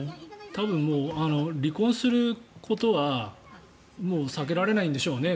多分もう離婚することは避けられないんでしょうね